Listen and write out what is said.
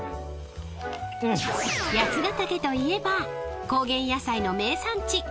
［八ヶ岳といえば高原野菜の名産地］